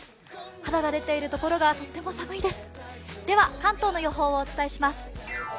肌が出ているところはとっても寒いです。